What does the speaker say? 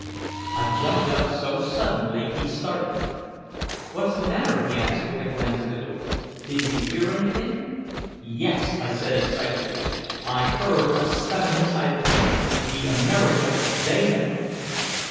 I jumped up so suddenly he started. "What's the matter?" he asked with a glance at the door. "Did you hear anything?" "Yes," I said excitedly. "I heard a stunning title! The America They Know!"